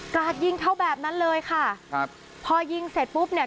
กลากยิงเท่าแบบนั้นเลยค่ะพอยิงเสร็จปุ๊บเนี่ย